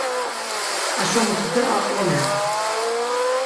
Aşo mutupe aqvinen.